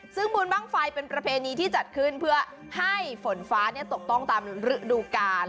ซึ่งบุญบ้างไฟเป็นประเพณีที่จัดขึ้นเพื่อให้ฝนฟ้าตกต้องตามฤดูกาล